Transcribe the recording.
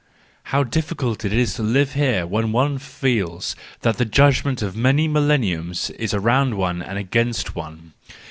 How difficult it is to live when one feels that the judgment of many millen¬ niums is around one and against one.